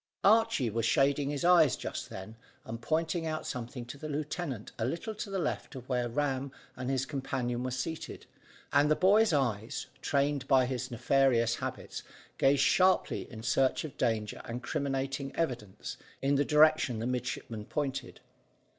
Archy was shading his eyes just then, and pointing out something to the lieutenant a little to the left of where Ram and his companion were seated, and the boy's eyes, trained by his nefarious habits, gazed sharply in search of danger or criminating evidence, in the direction the midshipman pointed.